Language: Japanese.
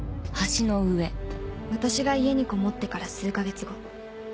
私が家にこもってから数か月後